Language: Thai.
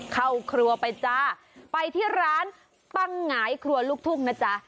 เข้าครัวไปจ้าไปที่ร้านปังหงายครัวลูกทุ่งนะจ๊ะ